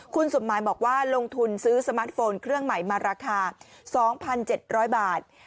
คุณสมหมายบอกว่าลงทุนซื้อสมาร์ทโฟนเครื่องใหม่มาราคา๒๗๐๐บาท